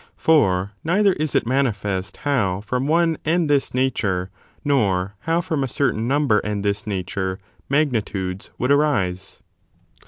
For neither is it mani fest how from one and this nature, nor how from a certain number and this nature, magnitudes would arise.